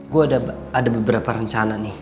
gue ada beberapa rencana nih